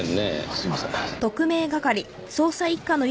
すみません。